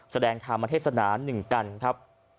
แสดงธรรมเทศนาหนึ่งกันครับ